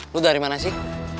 lo dari mana sih